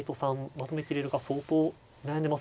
まとめきれるか相当悩んでますね。